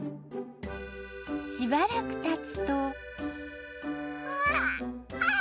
しばらくたつとふぁ